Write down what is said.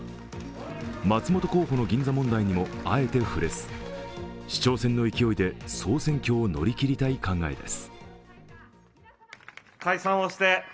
松本候補の銀座問題にもあえて触れず市長選の勢いで総選挙を乗り切りたい考えです。